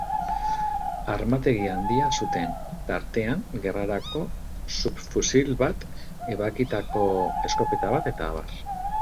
Armategi handia zuten, tartean gerrarako subfusil bat, ebakitako eskopeta bat, etab.